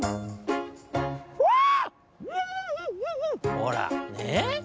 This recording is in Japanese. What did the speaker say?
「ほらねえ？